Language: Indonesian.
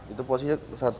itu posisinya spontan